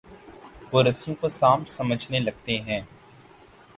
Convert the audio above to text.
وہ رسیوں کو سانپ سمجھنے لگتے ہیں۔